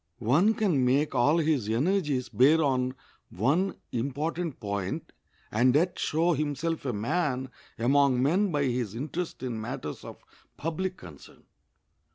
One can make all his energies bear on one important point and yet show himself a man among men by his interest in matters of public concern.